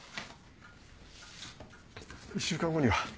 １週間後には。